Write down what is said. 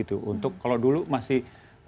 untuk kalau dulu masih